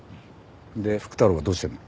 で福太郎はどうしてんの？